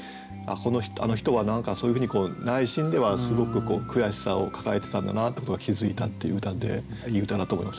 あの人は何かそういうふうに内心ではすごく悔しさを抱えてたんだなってことが気付いたっていう歌でいい歌だと思いますよね。